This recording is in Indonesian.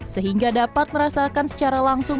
sehingga dapat merasakan secara langsung